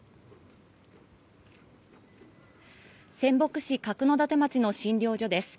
仙北市角館町の診療所です。